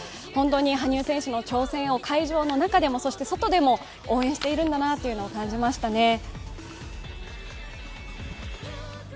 本当に羽生選手の挑戦を会場の中でも、そして外でも応援しているんだなというのを感じましたね。